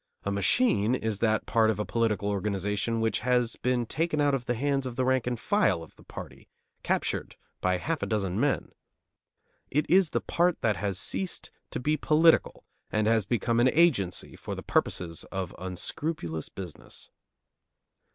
A "machine" is that part of a political organization which has been taken out of the hands of the rank and file of the party, captured by half a dozen men. It is the part that has ceased to be political and has become an agency for the purposes of unscrupulous business.